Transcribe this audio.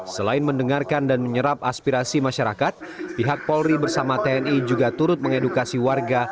selain mendengarkan dan menyerap aspirasi masyarakat pihak polri bersama tni juga turut mengedukasi warga